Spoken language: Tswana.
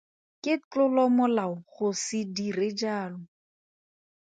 Ke tlolomolao go se dire jalo.